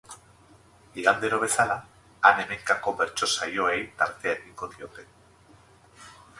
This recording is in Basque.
Igandero bezala, han-hemenkako bertso saioei tartea egingo diote.